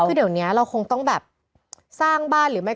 คือเดี๋ยวนี้เราคงต้องแบบสร้างบ้านหรือไม่